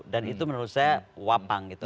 dan itu menurut saya wapang gitu